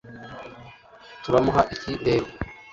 turamuha iki rero